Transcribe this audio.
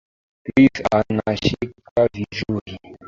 Chris anacheka vizuri